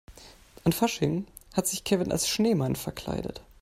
An Fasching hat sich Kevin als Schneemann verkleidet.